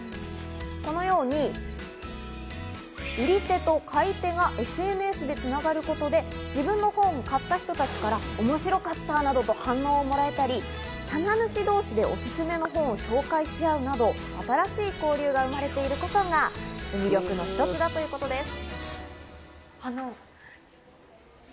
このように売り手と買い手がＳＮＳで繋がることで、自分の本を買った人たちから面白かったなどと反応をもらえたり、棚主同士でおすすめの本を紹介し合うなど、新しい交流が生まれていることが魅力の一つだということです。